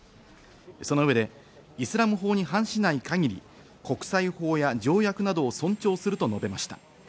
その上で、イスラム法に反しない限り、国際法や条約など尊重すると述べました。